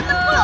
mas apaan itu